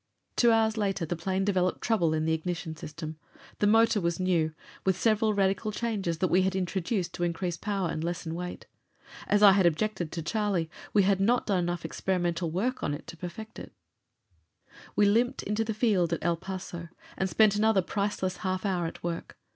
Two hours later the plane developed trouble in the ignition system. The motor was new, with several radical changes that we had introduced to increase power and lessen weight. As I had objected to Charlie, we had not done enough experimental work on it to perfect it. We limped into the field at El Paso and spent another priceless half hour at work.